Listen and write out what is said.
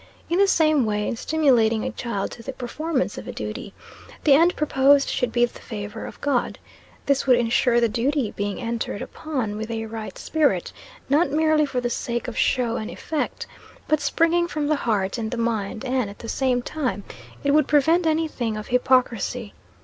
In the same way, in stimulating a child to the performance of a duty, the end proposed should be the favour of God. This would insure the duty being entered upon with a right spirit not merely for the sake of show and effect, but springing from the heart and the mind and, at the same time, it would prevent any thing of hypocrisy.